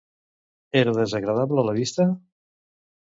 Era desagradable a la vista?